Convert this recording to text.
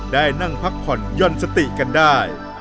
ได้นั่งพักผ่อนย่อนสติกันได้